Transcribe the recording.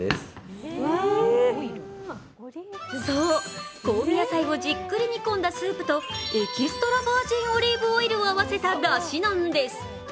そう、香味野菜をじっくり煮込んだスープとエキストラバージンオリーブオイルを合わせただしなんです。